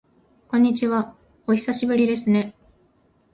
こんにちは、お久しぶりですね。